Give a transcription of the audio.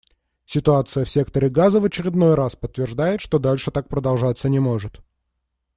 Ситуация в секторе Газа в очередной раз подтверждает, что дальше так продолжаться не может.